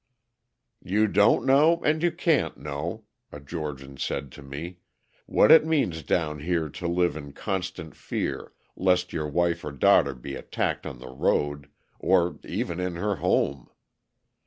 "You don't know and you can't know," a Georgian said to me, "what it means down here to live in constant fear lest your wife or daughter be attacked on the road, or even in her home.